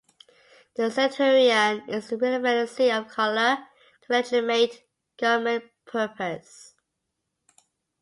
The criterion is the relevancy of color to a legitimate government purpose.